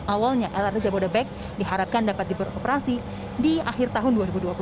awalnya lrt jabodebek diharapkan dapat diperoperasi di akhir tahun dua ribu dua puluh satu